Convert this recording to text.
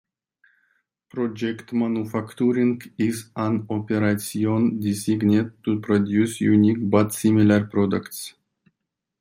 Project Manufacturing is an operation designed to produce unique but similar products.